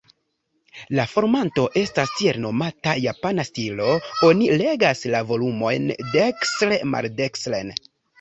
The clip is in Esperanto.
La formato estas tiel-nomata "Japana stilo"; oni legas la volumojn dedekstre-maldekstren.